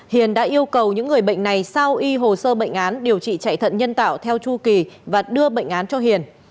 hiền đã yêu cầu những người bệnh này sao y hồ sơ bệnh án điều trị chạy thận nhân tạo theo chu kỳ và đưa bệnh án cho hiền